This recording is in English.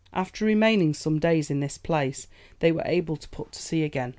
After remaining some days in this place, they were able to put to sea again.